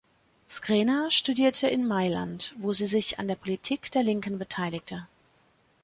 Sgrena studierte in Mailand, wo sie sich an der Politik der Linken beteiligte.